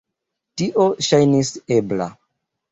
Tio ŝajnis ebla.